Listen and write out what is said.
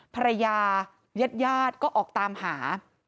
ภรรยาญาติก็ออกตามหา